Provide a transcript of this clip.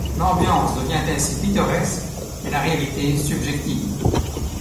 L'ambiance devient ainsi pittoresque et la réalité subjective.